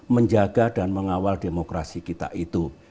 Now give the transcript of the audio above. menjaga dan mengawal demokrasi kita itu